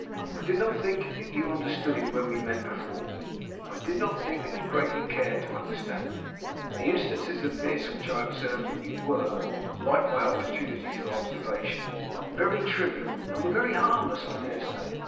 I did not think that you understood him when we met before. I did not think that you greatly cared to understand him. The instances of this which I observed in you were, like my opportunities for observation, very trivial and were very harmless, I dare say.